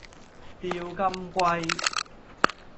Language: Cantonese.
釣金龜